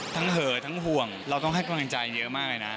เหอะทั้งห่วงเราต้องให้กำลังใจเยอะมากเลยนะ